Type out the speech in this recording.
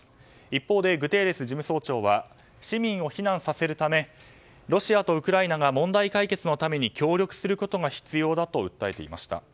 一方で、グテーレス事務総長は市民を避難させるためロシアとウクライナが問題解決のために協力することが必要だと訴えていました。